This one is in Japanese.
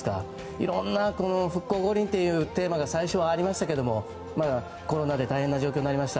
いろんな復興五輪というテーマが最初はありましたけどコロナで大変な状況になりました。